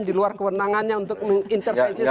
di luar kewenangannya untuk intervensi semua